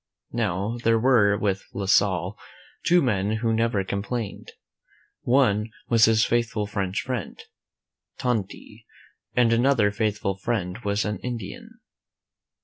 Now, there were with La Salle two men who never complained. One was his faithful French friend, Tonti, and another faithful friend was an I Indian.